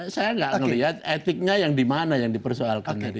saya gak melihat etiknya yang dimana yang dipersoalkan